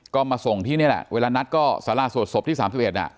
ก็มาส่งที่นี่แหละเวลานัดก็สาราสวดศพที่๓๑อ่ะ